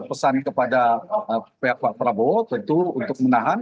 pesan kepada pihak pak prabowo tentu untuk menahan